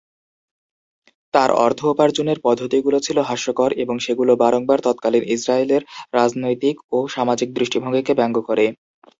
তার অর্থ উপার্জনের পদ্ধতিগুলো ছিল হাস্যকর এবং সেগুলো বারংবার তৎকালীন ইসরায়েলের রাজনৈতিক ও সামাজিক দৃষ্টিভঙ্গিকে ব্যঙ্গ করে।